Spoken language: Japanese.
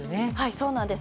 そうなんです。